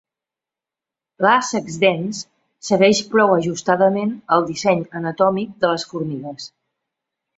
L'A. sexdens segueix prou ajustadament el disseny anatòmic de les formigues.